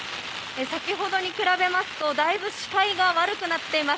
先ほどに比べますとだいぶ視界が悪くなっています。